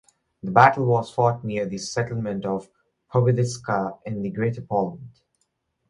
The battle was fought near the settlement of Pobiedziska in the Greater Poland.